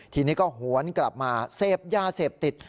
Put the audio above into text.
ทีนี้ก็หวนกลับมาเสพยาเสพติด